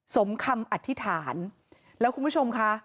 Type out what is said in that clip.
สมคำอธิษฐานแล้วคุณผู้ชมค่ะ